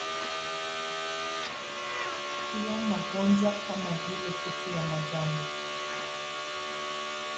Pia, magonjwa kama vile kutu ya majani,